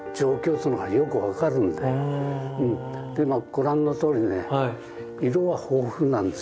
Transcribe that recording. ご覧のとおりね色は豊富なんですね。